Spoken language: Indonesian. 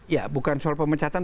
ya bukan soal pemecatan